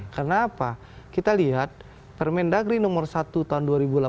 karena apa kita lihat permendagri nomor satu tahun dua ribu delapan belas